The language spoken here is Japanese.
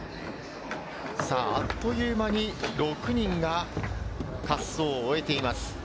あっという間に６人が滑走を終えています。